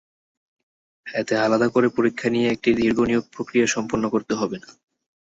এতে আলাদা করে পরীক্ষা নিয়ে একটি দীর্ঘ নিয়োগ–প্রক্রিয়া সম্পন্ন করতে হবে না।